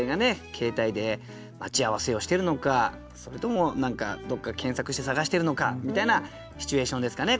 携帯で待ち合わせをしてるのかそれとも何かどこか検索して探してるのかみたいなシチュエーションですかね